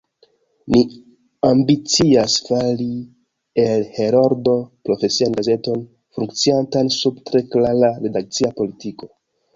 Ni ambicias fari el Heroldo profesian gazeton, funkciantan sub tre klara redakcia politiko.